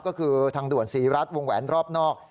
ก็คือทางด่วนศรีรัฐวงแหวนรอบนอก